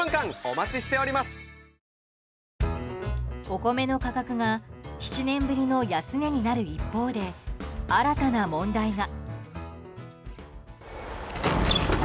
お米の価格が７年ぶりの安値になる一方で新たな問題が。